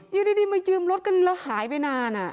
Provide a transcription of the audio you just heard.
อยู่ดีมายืมรถกันแล้วหายไปนาน